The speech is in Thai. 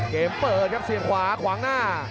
เกมเปิดครับเสียบขวาขวางหน้า